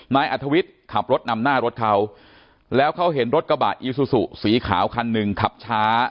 นายอัธวิทย์ขับรถนำหน้ารถเขาแล้วเขาเห็นรถกระบะอีซูซูสีขาวคันหนึ่งขับช้า